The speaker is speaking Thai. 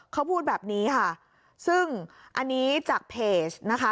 เขาพูดแบบนี้ค่ะซึ่งอันนี้จากเพจนะคะ